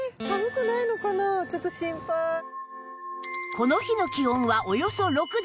この日の気温はおよそ６度